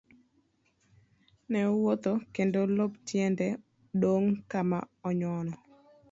Ne owuotho kendo lop tiende dong' kama onyono.